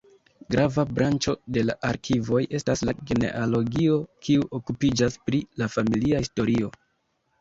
Grava branĉo de la arkivoj estas la genealogio, kiu okupiĝas pri la familia historio.